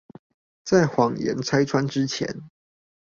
在謊言拆穿之前